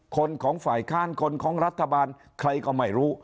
ของฝ่ายค้านคนของรัฐบาลใครก็ไม่รู้